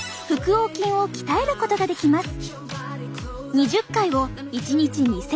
横筋を鍛えることができます。